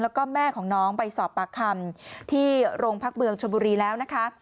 แล้วก็แม่ของน้องไปสอบปากคำที่โรงพักเมืองชนบุรีแล้วนะคะ